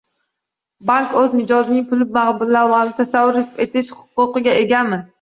Bank o‘z mijozining pul mablag‘larini tasarruf etish xuquqiga egami?